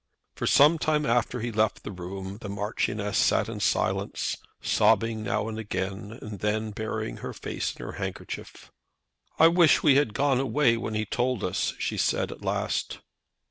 For some time after he left the room the Marchioness sat in silence, sobbing now and again, and then burying her face in her handkerchief. "I wish we had gone away when he told us," she said, at last.